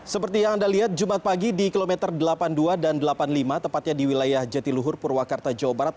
seperti yang anda lihat jumat pagi di kilometer delapan puluh dua dan delapan puluh lima tepatnya di wilayah jatiluhur purwakarta jawa barat